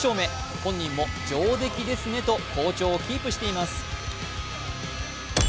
本人も上出来ですねと好調をキープしています。